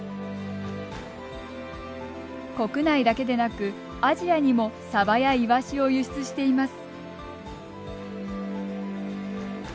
国内だけでなく、アジアにもサバやイワシを輸出しています。